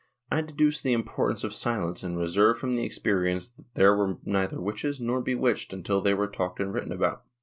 I deduce the impor tance of silence and reserve from the experience that there were neither witches nor bewitched until they were talked and written about.